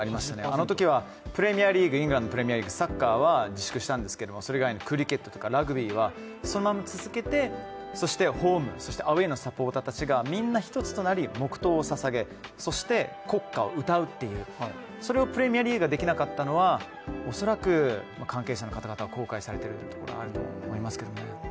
あのときはイングランドのプレミアムリーグ、サッカーは自粛したんですけどクリケットやラグビーはそのまま続けてそしてホーム、アウェーのサポーターたちがみんな１つになり、そして国歌を歌うという、それをプレミアリーグができなかったのは恐らく関係者の方々、後悔されているところがあるのかなと思いますけどね。